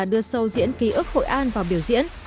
đưa sâu diễn ký ức hội an vào biểu diễn